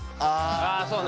あそうね